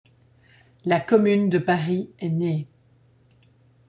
La Commune de Paris est née.